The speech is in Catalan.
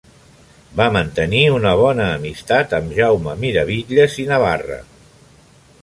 Va mantenir una bona amistat amb Jaume Miravitlles i Navarra.